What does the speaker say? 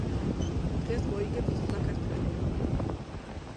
დღეს მოიგებს საქართველო